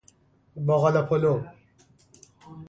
باقلا پلو